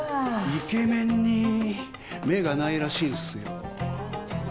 イケメンに目がないらしいんすよ。